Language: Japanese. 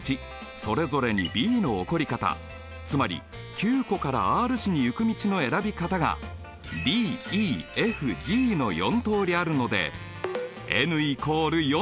それぞれにＢの起こり方つまりＱ湖からＲ市に行く道の選び方がｄｅｆｇの４通りあるのでｎ＝４だ。